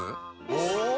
お！